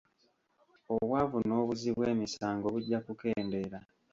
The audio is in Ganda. Obwavu n'obuzzi bw'emisango bujja kukendeera.